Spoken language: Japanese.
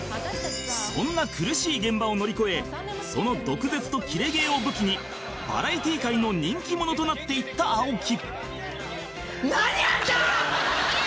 そんな苦しい現場を乗り越えその毒舌とキレ芸を武器にバラエティ界の人気者となっていった青木